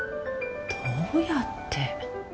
どうやって。